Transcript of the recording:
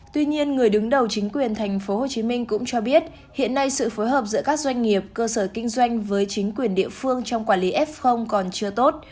tuy nhiên người đứng đầu chính quyền tp hcm cũng cho biết hiện nay sự phối hợp giữa các doanh nghiệp cơ sở kinh doanh với chính quyền địa phương trong quản lý f còn chưa tốt